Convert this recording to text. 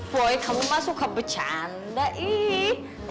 boy kamu mah suka bercanda iiih